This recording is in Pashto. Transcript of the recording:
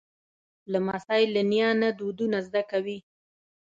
لمسی له نیا نه دودونه زده کوي.